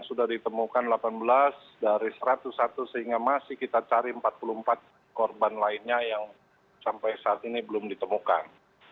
yang hidup tiga hari kemarin yang sudah ditemukan delapan belas dari satu ratus satu sehingga masih kita cari empat puluh empat korban lainnya yang sampai saat ini belum ditemukan